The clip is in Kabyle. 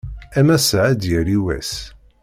Am ass-a ad d-yali wass.